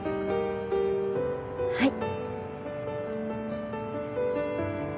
はい。